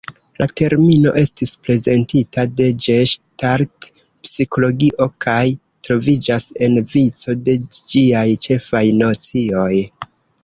La termino estis prezentita de geŝtalt-psikologio kaj troviĝas en vico de ĝiaj ĉefaj nocioj.